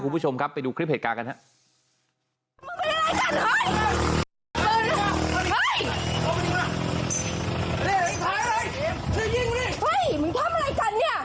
คุณผู้ชมครับไปดูคลิปเหตุการณ์กันครับ